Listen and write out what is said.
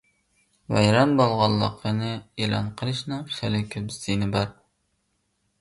ۋەيران بولغانلىقىنى ئېلان قىلىشنىڭ خېلى كۆپ زىيىنى بار.